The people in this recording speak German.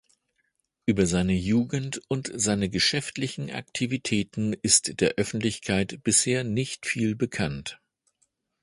Über seine Jugend und seine geschäftlichen Aktivitäten ist der Öffentlichkeit bisher nicht viel bekannt.